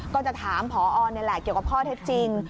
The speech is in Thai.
ก็จะถามพอนี่แหละเกี่ยวกับข้อเท็จจริง